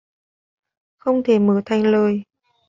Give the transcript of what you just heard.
Không thể mở thành lời